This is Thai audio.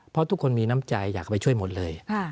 เพราะทุกคนมีน้ำใจอยากไปช่วยหมดเลย